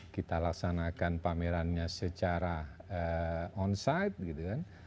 kita laksanakan pamerannya secara on site gitu kan